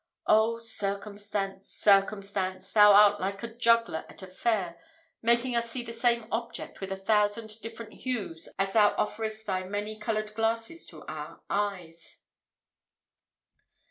Oh, circumstance! circumstance! thou art like a juggler at a fair, making us see the same object with a thousand different hues as thou offerest thy many coloured glasses to our eyes.